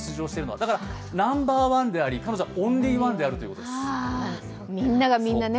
だからナンバーワンであり彼女はオンリーワンであるということなんです。